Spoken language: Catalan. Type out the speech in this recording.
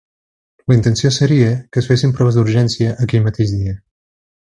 La intenció seria que es fessin proves d’urgència aquell mateix dia.